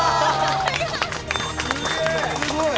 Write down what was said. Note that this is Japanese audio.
「すごい！」